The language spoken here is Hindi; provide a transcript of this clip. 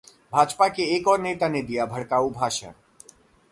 भाजपा के एक और नेता ने दिया भड़काऊ भाषण